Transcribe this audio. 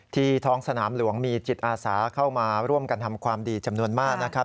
ท้องสนามหลวงมีจิตอาสาเข้ามาร่วมกันทำความดีจำนวนมากนะครับ